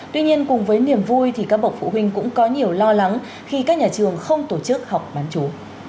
tuy nhiên cùng với niềm vui thì các bậc phụ huynh cũng có nhiều lo lắng khi các nhà trường không tổ chức học bán chú